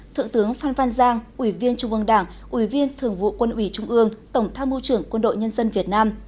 thượng tướng phan văn giang ủy viên trung ương đảng ủy viên thường vụ quân ủy trung ương tổng tham mưu trưởng quân đội nhân dân việt nam